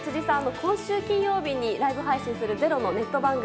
今週金曜日にライブ配信する「ｚｅｒｏ」のネット番組